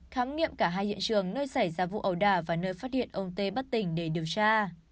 khám nghiệm cả hai diện trường nơi xảy ra vụ ẩu đả và nơi phát hiện ông t bắt tỉnh để điều tra